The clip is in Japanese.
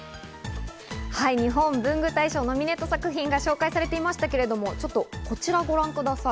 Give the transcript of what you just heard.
日本文具大賞、ノミネート作品が紹介されていましたが、こちらをご覧ください。